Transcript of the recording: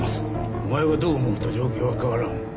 お前がどう思おうと状況は変わらん。